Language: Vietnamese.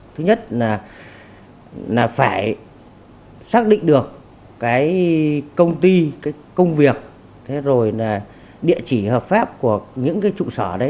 thứ nhất là phải xác định được công ty công việc địa chỉ hợp pháp của những trụ sở đấy